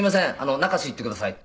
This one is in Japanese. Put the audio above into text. “中洲行ってください”って。